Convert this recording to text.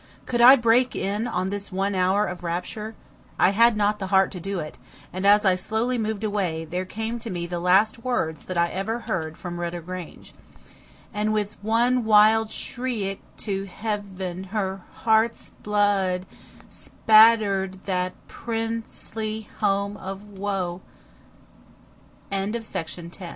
Could I break in on this one hour of rapture? I had not the heart to do it, and as I slowly moved away, there came to me the last words that I ever heard from Rudder Grange: "And with one wild shry ik to heav en her heart's blo od spat ter ed that prynce ly home of woe " CHAPTER